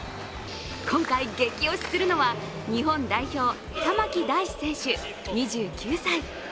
今回、ゲキ推しするのは日本代表、玉置大嗣選手２９歳。